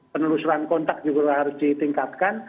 penelusuran kontak juga harus ditingkatkan